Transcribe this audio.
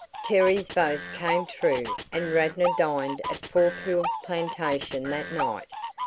Terry's boast came true and Radnor dined at Four Pools Plantation that night.